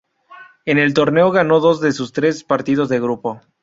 En el torneo ganó dos de sus tres partidos de grupo.